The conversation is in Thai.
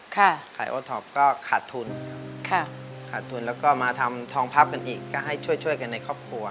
ขายโอทอปก็ขาดทุนแล้วก็มาทำทองพับกันอีกก็ให้ช่วยกันในครอบครัว